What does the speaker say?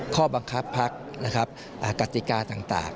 ข้อบังคับพักกติกาต่าง